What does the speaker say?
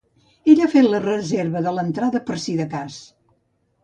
Ella ha fet reserva de l'entrada per si de cas.